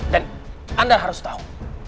dan anda harus tahu